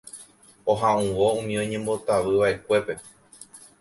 oha'uvõ umi oñembotavyva'ekuépe